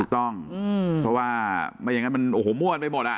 ต้องเพราะว่าไม่อย่างนั้นมันโหม้นไปหมด